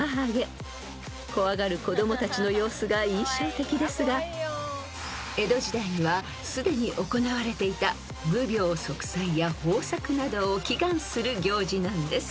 ［怖がる子供たちの様子が印象的ですが江戸時代にはすでに行われていた無病息災や豊作などを祈願する行事なんです］